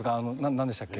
なんでしたっけ。